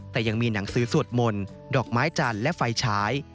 แต่ยังมีหนังสือสวดมนต์ดอกไม้จันทร์และไฟฉาย